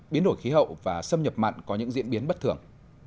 biến đổi khí hậu và xâm nhập mặn có những diễn biến bất thường